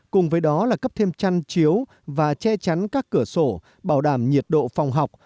cùng với đó là cấp thêm chăn chiếu và che chắn các cửa sổ bảo đảm nhiệt độ phòng học